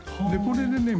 これでね